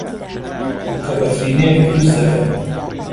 بووکەبەفرینەیەک دروست دەکەم.